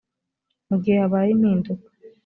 mu gihe habaye impinduka